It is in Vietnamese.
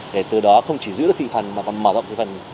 để từ đó không chỉ giữ được thị phần mà còn mở rộng thị phần